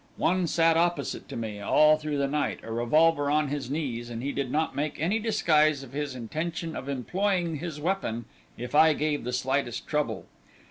One sat opposite to me, all through the night, a revolver on his knees, and he did not make any disguise of his intention of employing his weapon if I gave the slightest trouble.